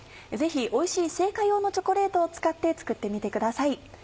ぜひおいしい製菓用のチョコレートを使って作ってみてください。